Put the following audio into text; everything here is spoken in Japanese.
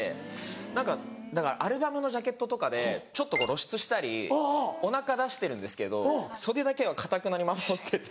何かだからアルバムのジャケットとかでちょっと露出したりお腹出してるんですけど袖だけはかたくなに守ってて。